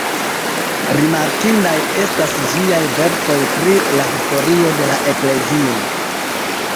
Rimarkindaj estas ĝiaj verkoj pri la historio de la Eklezio.